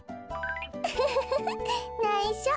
ウフフフフないしょ。